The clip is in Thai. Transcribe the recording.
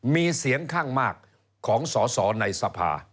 มีเสียงข้างมากของสอสอในสภา